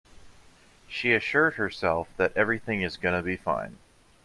She assured herself that everything is gonna be fine.